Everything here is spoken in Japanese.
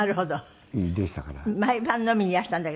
「毎晩飲みにいらしたんだけど」